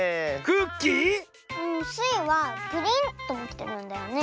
クッキー⁉スイはプリンともきてるんだよね。